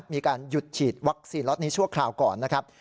มีการหยุดฉีดวัคซีนล็อตนี้ชั่วคราวก่อนนะครับ